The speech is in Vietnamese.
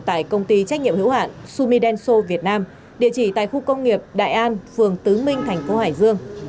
tại công ty trách nhiệm hữu hạn sumidenso việt nam địa chỉ tại khu công nghiệp đại an phường tứ minh tp hải dương